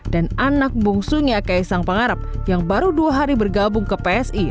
dan anak bungsunya keisang pengarap yang baru dua hari bergabung ke psi